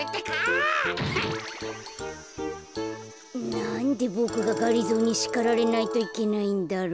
・なんでボクががりぞーにしかられないといけないんだろう？